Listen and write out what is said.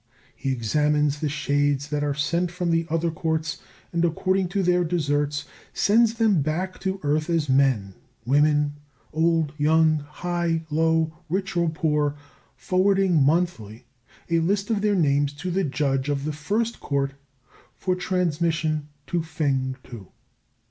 He examines the shades that are sent from the other courts, and, according to their deserts, sends them back to earth as men, women, old, young, high, low, rich, or poor, forwarding monthly a list of their names to the judge of the First Court for transmission to Fêng tu.